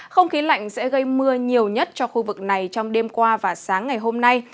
không khí lạnh sẽ gây mưa nhiều nhất cho khu vực này trong đêm qua và sáng ngày hôm nay